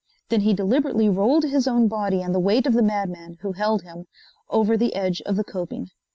Then he deliberately rolled his own body and the weight of the madman, who held him, over the edge of the coping.